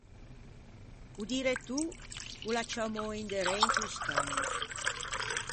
O direttô o l’à ciammou inderê into scagno.